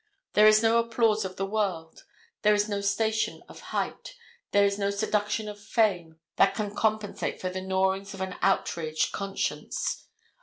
There is no applause of the world, there is no station of hight, there is no seduction of fame that can compensate for the gnawings of an outraged conscience.